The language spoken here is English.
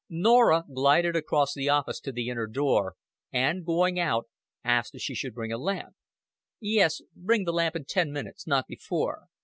Norah glided across the office to the inner door, and, going out, asked if she should bring a lamp. "Yes, bring the lamp in ten minutes not before.